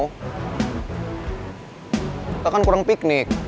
kita kan kurang piknik